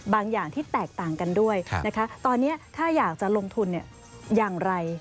อย่างที่แตกต่างกันด้วยนะคะตอนนี้ถ้าอยากจะลงทุนอย่างไร